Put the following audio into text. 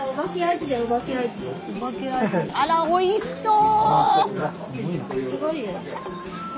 あらおいしそう！